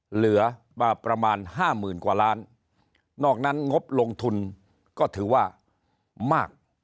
เหลือมาประมาณห้าหมื่นกว่าล้านนอกนั้นงบลงทุนก็ถือว่ามาก